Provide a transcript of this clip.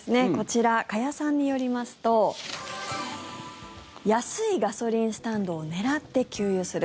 加谷さんによりますと安いガソリンスタンドを狙って給油する。